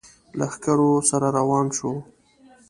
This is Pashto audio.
لښکرو سره روان شو.